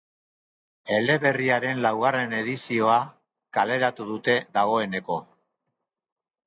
Eleberriaren laugarren edizioa kaleratu dute dagoeneko.